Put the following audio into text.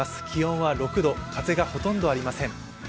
気温は６度、風がほとんどありません。